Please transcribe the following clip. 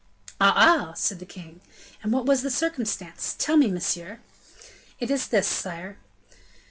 "Ah! ah!" said the king, "what was that circumstance? Tell me, monsieur." "This is it, sire.